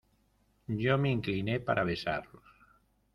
yo me incliné para besarlos: